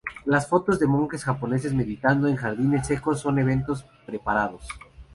Las fotos de monjes japoneses meditando en jardines secos son eventos preparados.